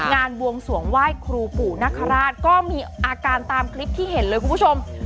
บวงสวงไหว้ครูปู่นคราชก็มีอาการตามคลิปที่เห็นเลยคุณผู้ชม